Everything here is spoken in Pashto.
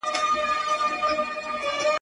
نه پخپله لاره ویني نه د بل په خوله باور کړي.